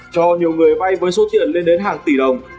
cho nhiều người vay với số tiền lên đến hàng tỷ đồng